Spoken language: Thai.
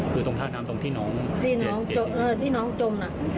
คือตรงทางน้ำที่น้องจมั๊ย